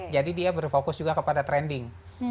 jadi dia berfokus juga kepada trending